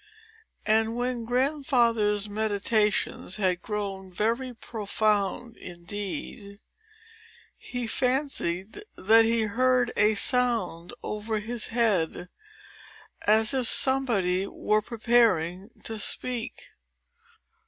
And, when Grandfather's meditations had grown very profound indeed, he fancied that he heard a sound over his head, as if somebody were preparing to speak.